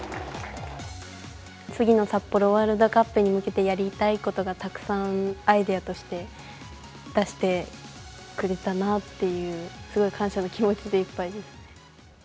次の札幌ワールドカップに向けて、やりたいことがたくさんアイデアとして出してくれたなぁっていう、すごい感謝の気持ちでいっぱいです。